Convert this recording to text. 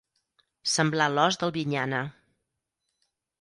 Semblar l'os d'Albinyana.